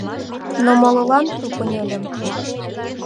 Но молылан тупынь ыльым.